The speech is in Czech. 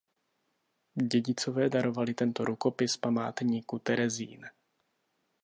Dědicové darovali tento rukopis Památníku Terezín.